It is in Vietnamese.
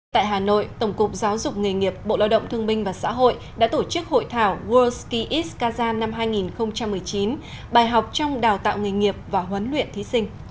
tại hà nội tổng cục giáo dục nghề nghiệp bộ lao động thương minh và xã hội đã tổ chức hội thảo world ski eas kazan năm hai nghìn một mươi chín bài học trong đào tạo nghề nghiệp và huấn luyện thí sinh